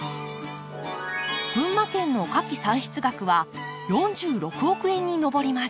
群馬県の花き産出額は４６億円に上ります。